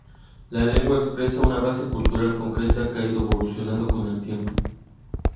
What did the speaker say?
La lengua expresa una base cultural concreta que ha ido evolucionando con el tiempo.